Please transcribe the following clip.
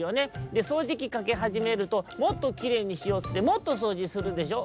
でそうじきかけはじめるともっときれいにしようってもっとそうじするでしょ？」。